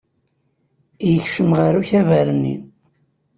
Yekcem ɣer ukabar-nni.